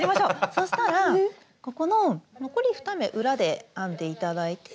そしたらここの残り２目裏で編んで頂いて。